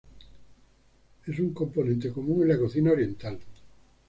Es un componente común en la cocina oriental.